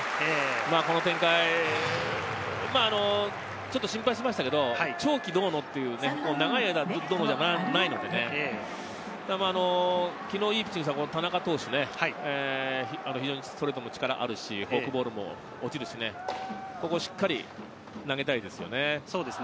この展開、ちょっと心配していましたけれど、長い間どうのということではないようなので、昨日いいピッチングをした田中投手、ストレートも力があるし、ストレートもフォークも落ちるし、ここはしっかり投げたいですね。